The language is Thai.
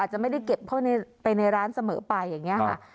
จะไม่ได้เก็บเข้าไปในร้านเสมอไปอย่างนี้ค่ะ